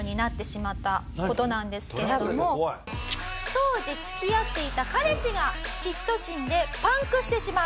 当時付き合っていた彼氏が嫉妬心でパンクしてしまう。